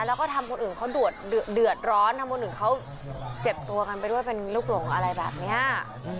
แล้วก็ทำคนอื่นเขาเดือดร้อนทำคนอื่นเขาเจ็บตัวกันไปด้วยเป็นลูกหลงอะไรแบบนี้